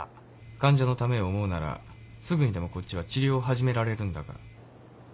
患者のためを思うならすぐにでもこっちは治療を始められるんだが。